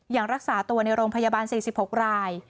ยังรักษาตัวในโรงพยาบาล๔๖ราย